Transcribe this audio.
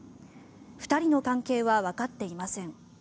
２人の関係はわかっていません。